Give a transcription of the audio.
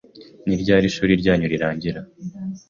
Ni ryari ishuri ryanyu rirangira?